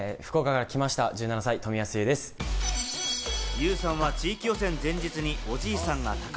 ユウさんは地域予選前日におじいさんが他界。